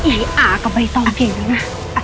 ไอ้อ่าก็ไม่ต้องแบบนี้นะ